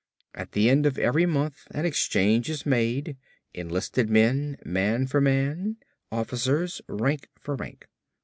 At the end of every month an exchange is made; enlisted men, man for man; officers, rank for rank.